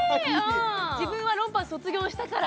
自分はロンパース卒業したから。